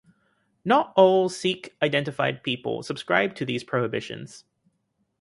Not all Sikh-identified people subscribe to these prohibitions.